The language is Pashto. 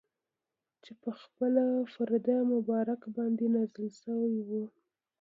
چي پخپله پر ده مبارک باندي نازل سوی وو.